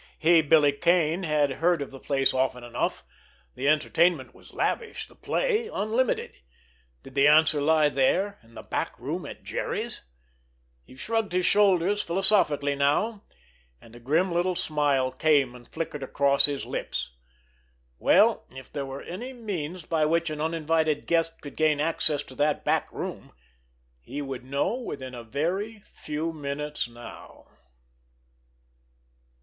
He, Billy Kane, had heard of the place often enough—the entertainment was lavish, the play unlimited. Did the answer lie there—in the back room at Jerry's? He shrugged his shoulders philosophically now, and a grim little smile came and flickered across his lips. Well, if there were any means by which an uninvited guest could gain access to that back room, he would know within a very few minutes now!